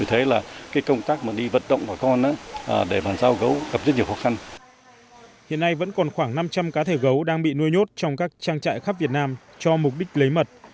hiện nay vẫn còn khoảng năm trăm linh cá thể gấu đang bị nuôi nhốt trong các trang trại khắp việt nam cho mục đích lấy mật